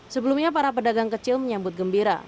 sebelumnya para pedagang kecil menyampaikan